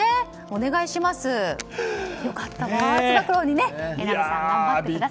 お願いしますね。